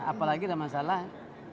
apalagi ada masalah